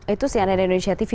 itu cnn indonesia tv